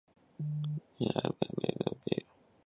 伊德圣罗克人口变化图示